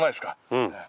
うん。